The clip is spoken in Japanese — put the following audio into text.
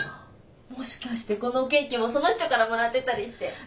もしかしてこのケーキもその人からもらってたりして。